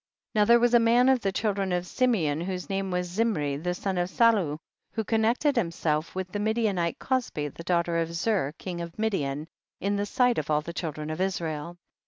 62. Now there was a man of the children of Simeon whose name was Zimri, the son of Salu, who connect ed himself with the Midianite Cosbi, the daughter of Zur, king of Midian, in the sight of all the children of Is rael.